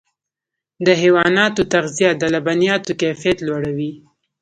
د حیواناتو تغذیه د لبنیاتو کیفیت لوړوي.